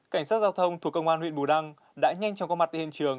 cảnh sát giao thông thuộc công an huyện bù đăng đã nhanh cho có mặt trên trường